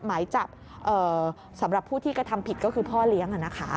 หมายจับสำหรับผู้ที่กระทำผิดก็คือพ่อเลี้ยง